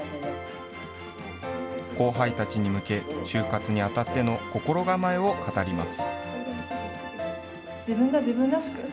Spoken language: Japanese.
後輩たちに向け、就活にあたっての心構えを語ります。